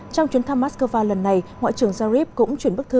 trong chuyến thăm moscow lần này ngoại trưởng sharif cũng chuyển bức thư